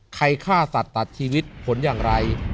ฆ่าสัตว์ตัดชีวิตผลอย่างไร